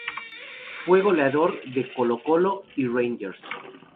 Fue goleador de Colo-Colo y Rangers.